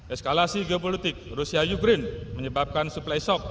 eskalasi geopolitik rusia ukraine menyebabkan suplai shock